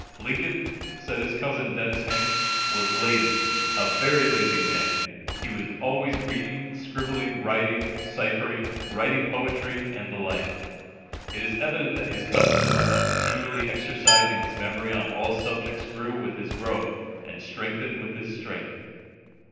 "Lincoln," said his cousin, Dennis Hanks, "was lazy a very lazy man. He was always reading, scribbling, writing, ciphering, writing poetry, and the like." It is evident that his custom of continually exercising his memory on all subjects grew with his growth and strengthened with his strength.